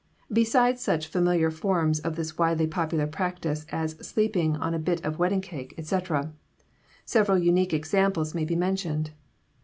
Besides such familiar forms of this widely popular practice as sleeping on a bit of wedding cake, etc., several unique examples may be mentioned.